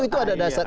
itu ada dasar